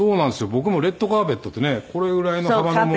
僕もレッドカーペットってねこれぐらいの幅のもんが。